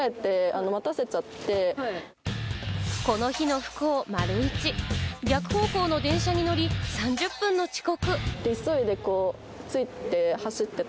この日の不幸１、逆方向の電車に乗り、３０分の遅刻。